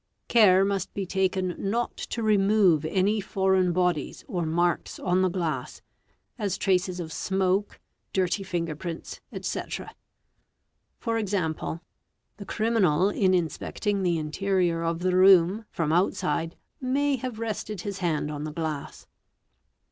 Care must be taken not to remove any foreign bodies or 'marks on the glass, as traces of smoke, dirty finger prints, &c., e.g., the criminal in inspecting the interior of the room from outside may have _ rested his hand on the glass.